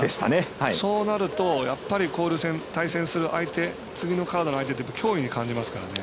そうなると交流戦、対戦する相手次のカードの相手って脅威に感じますからね。